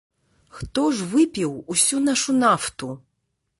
Хто ж выпіў усю нашу нафту?